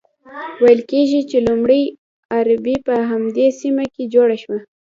ویل کیږي چې لومړۍ اربۍ په همدې سیمه کې جوړه شوه.